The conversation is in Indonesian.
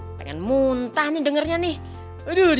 pengen muntah nih dengernya nih